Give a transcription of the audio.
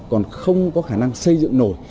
còn không có khả năng xây dựng nổi